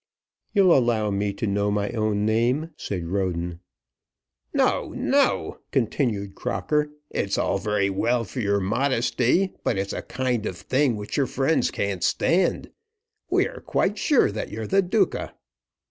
"You'll allow me to know my own name," said Roden. "No! no!" continued Crocker. "It's all very well for your modesty, but it's a kind of thing which your friends can't stand. We are quite sure that you're the Duca."